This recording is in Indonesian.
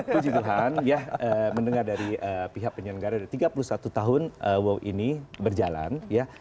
puji tuhan ya mendengar dari pihak penyelenggaraan tiga puluh satu tahun wow ini berjalan